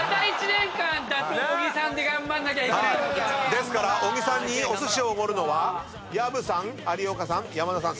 ですから小木さんにお寿司をおごるのは薮さん有岡さん山田さん。